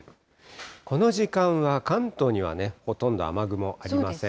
この時間は関東にはほとんど雨雲ありません。